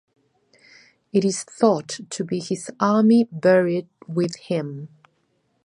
It is thought to be his army buried with him.